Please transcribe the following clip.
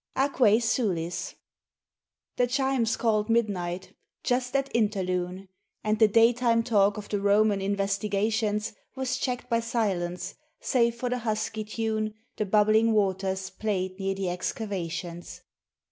AQUAE SULIS THE chimes called midnight, just at interlune, And the daytime talk of the Roman investigations Was checked by silence, save for the husky tune The bubbling waters played near the excavations.